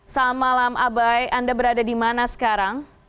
selamat malam abai anda berada di mana sekarang